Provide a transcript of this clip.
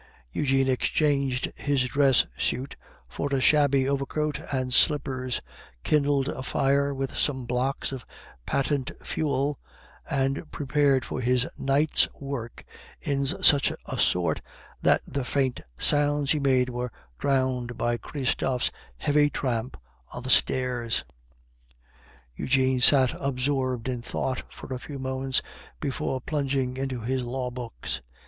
Eugene exchanged his dress suit for a shabby overcoat and slippers, kindled a fire with some blocks of patent fuel, and prepared for his night's work in such a sort that the faint sounds he made were drowned by Christophe's heavy tramp on the stairs. Eugene sat absorbed in thought for a few moments before plunging into his law books.